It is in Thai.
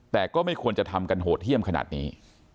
แต่ก็ไม่ควรจะทำกันโหดเยี่ยมขนาดนี้